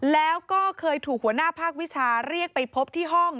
แล้วก็เคยถูกหัวหน้าภาควิชาเรียกไปพบที่ห้อง